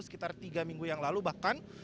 sekitar tiga minggu yang lalu bahkan